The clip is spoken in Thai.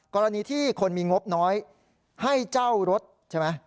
กรณีที่คนมีงบน้อยให้เจ้ารถใช่ไหม